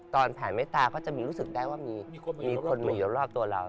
ตอนแผ่นไม้ตาเขาจะรู้สึกได้ว่ามีมีคนมาอยู่รอบตัวเรา